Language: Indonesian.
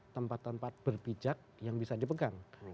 tempat tempat berpijak yang bisa dipegang